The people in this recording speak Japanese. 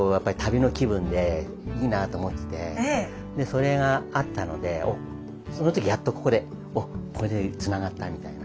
それがあったのでその時やっとここでおっこれでつながったみたいな。